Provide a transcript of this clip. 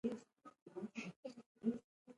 ښوونځي باید پښتو ته لومړیتوب ورکړي.